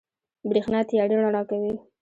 برېښنا تيارې رڼا کوي.